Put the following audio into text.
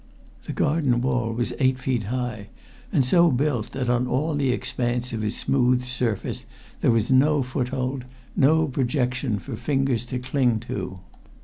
The garden wall was eight feet high, and so built that on all the expanse of its smoothed surface there was no foothold, no projection for fingers to cling to.